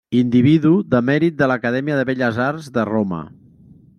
Individu de mèrit de l'Acadèmia de Belles Arts de Roma.